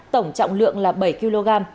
tổng trọng lượng là bảy kg